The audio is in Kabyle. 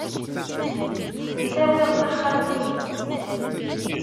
Ssemsawiɣ taxxamt-inu.